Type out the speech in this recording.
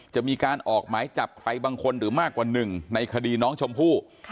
จะมีการออกหมายจับใครบางคนหรือมากกว่าหนึ่งในคดีน้องชมพู่